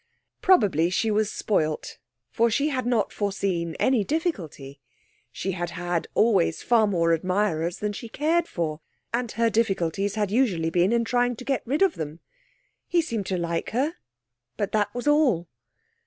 Probably she was spoilt, for she had not foreseen any difficulty; she had had always far more admirers than she cared for, and her difficulties had usually been in trying to get rid of them. He seemed to like her, but that was all.